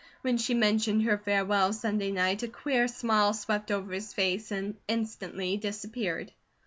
When she mentioned her farewell of Sunday night, a queer smile swept over his face and instantly disappeared.